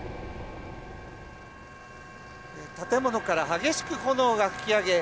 建物から激しく炎が噴き上げ